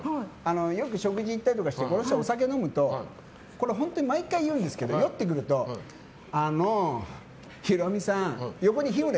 よく食事行ったりしてこの人がお酒を飲むとこれは毎回、言うんですけど酔ってくるとあの、ヒロミさんって。